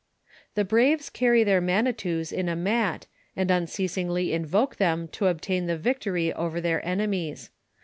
"The braves carry their nionitous in a mat, and unceasingly invoke tliem to obtain tlie victory over their enemies.